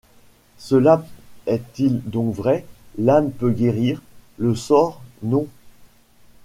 Cela est-il donc vrai? l’âme peut guérir ; le sort, non.